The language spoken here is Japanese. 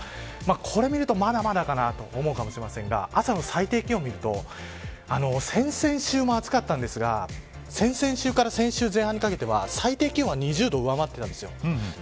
これを見ると、まだまだかなと思うかもしれませんが朝の最低気温を見ると先々週も暑かったんですが先々週から先週前半にかけては最低気温は２０度を上回っていたんです。